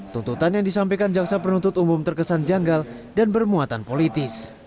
tuntutan yang disampaikan jaksa penuntut umum terkesan janggal dan bermuatan politis